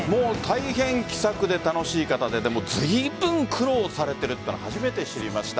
大変気さくで楽しい方ででもずいぶん苦労されているのは初めて知りました。